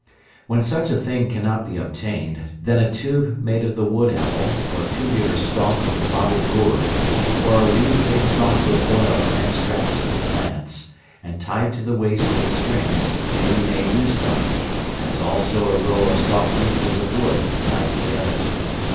When such a thing cannot be obtained, then a tube made of the wood apple, or tubular stalk of the bottle gourd, or a reed made soft with oil and extracts of plants, and tied to the waist with strings, may be made use of, as also a row of soft pieces of wood tied together.